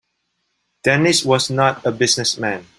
Dennis was not a business man.